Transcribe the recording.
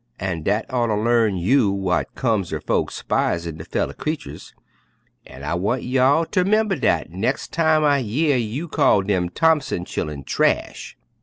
An' dat orter l'arn you w'at comes er folks 'spisin' der feller creeturs, an' I want y'all ter 'member dat nex' time I year you call dem Thompson chillen 'trash.'"